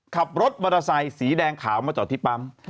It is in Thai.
ขับรถมอเตอร์ไซค์สีแดงขาวมาจอดที่ปั๊ม